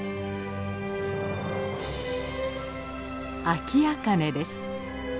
アキアカネです。